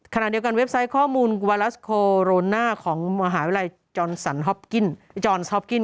ขณะเดียวกันเว็บไซต์ข้อมูลวาลัสโคโรนาของมหาวิทยาลัยจอนสันจอนซอปกิ้น